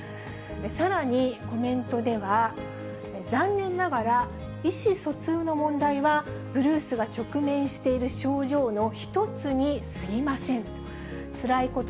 さらに、コメントでは、残念ながら、意思疎通の問題はブルースが直面している症状の一つにすぎませんと。